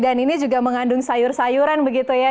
dan ini juga mengandung sayur sayuran begitu ya